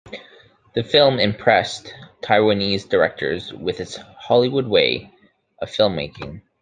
The film impressed Taiwanese directors with its "Hollywood way" of filmmaking.